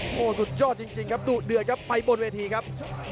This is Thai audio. โอ้โหสุดยอดจริงครับดุเดือดครับไปบนเวทีครับ